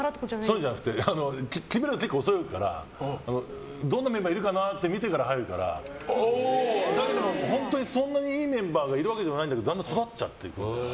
そうじゃなくてどんなメンバーいるかなって見てから入るからそんなにいいメンバーがいるわけでもないんだけどだんだん育っちゃって。